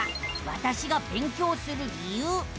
「わたしが勉強する理由」。